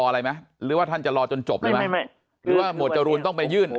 อะไรนะหรือว่าท่านจะรอจนจบไหมรู้ว่าหมวดจรุลต้องไปยื่น